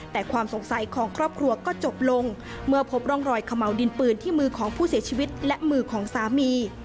แต่ความสงสัยของครอบครัวก็จบลงเมื่อพบร่องรอยเขม่าวดินปืนที่มือของผู้เสียชีวิตและมือของสามี